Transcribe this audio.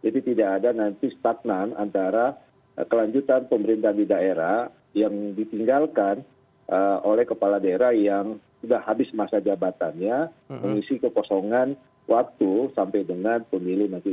jadi tidak ada nanti stagnan antara kelanjutan pemerintah di daerah yang ditinggalkan oleh kepala daerah yang sudah habis masa jabatannya mengisi kekosongan waktu sampai dengan pemilih nanti dua ribu dua puluh empat